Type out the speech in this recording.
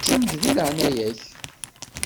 Kcem-d di leɛnaya-k.